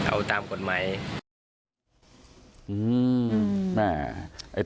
เอาตามกฎหมาย